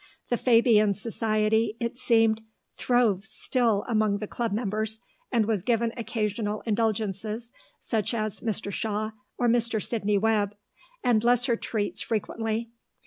The Fabian Society, it seemed, throve still among the Club members, and was given occasional indulgences such as Mr. Shaw or Mr. Sidney Webb, and lesser treats frequently.